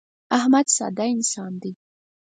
احمد ساده انسان دی.